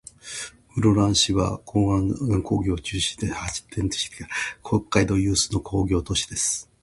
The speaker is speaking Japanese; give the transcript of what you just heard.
室蘭市は、港湾と工業を中心に発展してきた、北海道有数の工業都市です。